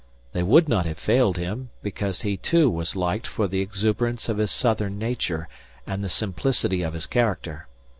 They would not have failed him, because he, too, was liked for the exuberance of his southern nature and the simplicity of his character.